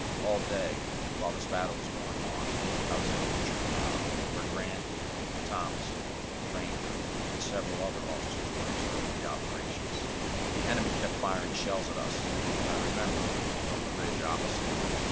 All day, while this battle was going on, I was at Orchard Knob, where Grant, Thomas, Granger, and several other officers were observing the operations. The enemy kept firing shells at us, I remember, from the ridge opposite.